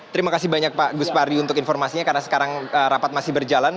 terima kasih banyak pak gus pardi untuk informasinya karena sekarang rapat masih berjalan